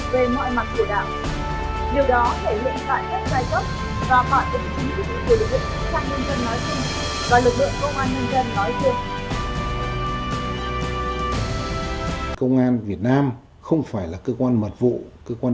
về ý đồ phi chính trị hóa lực lượng vũ trang